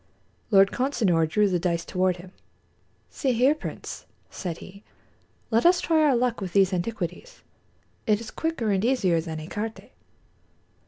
Lord Consinor drew the dice toward him. "See here, Prince," said he, "let us try our luck with these antiquities. It is quicker and easier than écarté."